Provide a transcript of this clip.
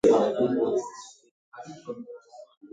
Sauti "nd" inaweza kuwa mwanzoni